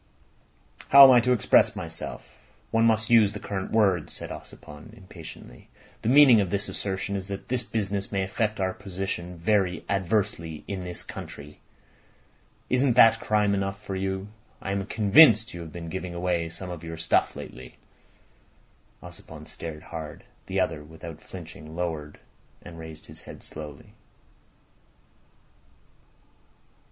"How am I to express myself? One must use the current words," said Ossipon impatiently. "The meaning of this assertion is that this business may affect our position very adversely in this country. Isn't that crime enough for you? I am convinced you have been giving away some of your stuff lately." Ossipon stared hard. The other, without flinching, lowered and raised his head slowly.